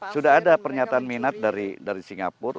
sudah ada pernyataan minat dari singapura